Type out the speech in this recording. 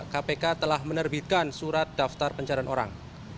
kpk telah menerbitkan surat daftar pencarian orang